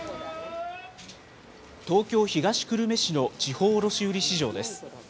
東京・東久留米市の地方卸売市場です。